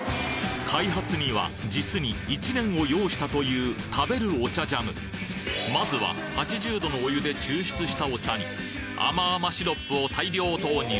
開発には実に１年を要したという食べるお茶ジャムまずは８０℃のお湯で抽出したお茶に甘々シロップを大量投入